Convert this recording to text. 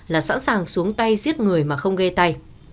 là sẵn sàng xuống tay giết người mà không ghê tay